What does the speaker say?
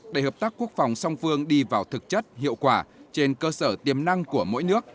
để hợp tác quốc phòng song phương đi vào thực chất hiệu quả trên cơ sở tiềm năng của mỗi nước